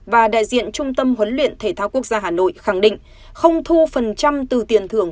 và đại diện trung tâm huấn luyện thể thao quốc gia hà nội khẳng định không thu phần trăm từ tiền thưởng